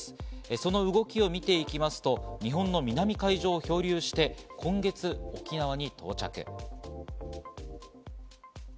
その動きを見ていきますと、日本の南海上を漂流して、今月、沖縄に到着。